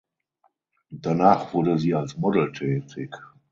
Danach wurde sie als Model tätig.